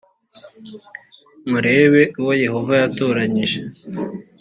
murebe uwo yehova yatoranyije